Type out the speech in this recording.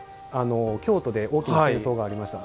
京都で大きな戦争がありました。